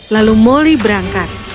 lalu moli berangkat